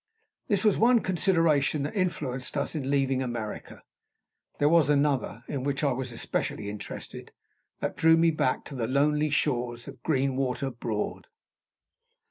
This was one consideration that influenced us in leaving America. There was another in which I was especially interested that drew me back to the lonely shores of Greenwater Broad.